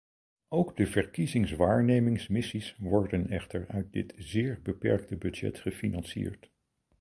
Ook de verkiezingswaarnemingsmissies worden echter uit dit zeer beperkte budget gefinancierd.